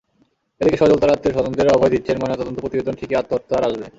এদিকে সজল তাঁর আত্মীয়স্বজনদের অভয় দিচ্ছেন, ময়নাতদন্ত প্রতিবেদন ঠিকই আত্মহত্যার আসবে।